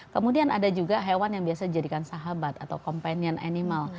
kemudian ada juga hewan yang biasa dijadikan sahabat atau companion animal